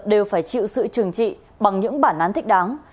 đều phải chịu sự trừng trị bằng những bản án thích đáng